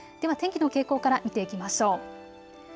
天気の傾向から見ていきましょう。